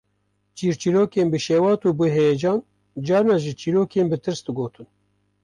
Çîrçîrokên bi şewat û bi heyecan, carna jî çîrokên bi tirs digot